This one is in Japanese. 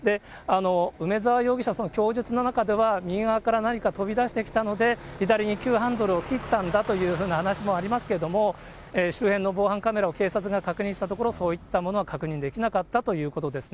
梅沢容疑者、供述の中では、右側から何か飛び出してきたので、左に急ハンドルを切ったんだという話もありますけれども、周辺の防犯カメラを警察が確認したところ、そういったものは確認できなかったということですね。